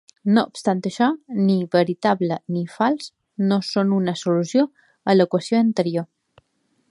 No obstant això, ni "veritable" ni "fals" no són una solució a l'equació anterior.